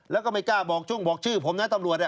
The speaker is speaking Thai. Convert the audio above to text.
แล้วก็ไม่กล้าบอกช่วงบอกชื่อผมนะตำรวจ